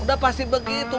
sudah pasti begitu